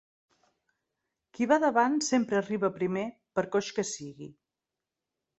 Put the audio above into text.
Qui va davant sempre arriba primer, per coix que sigui.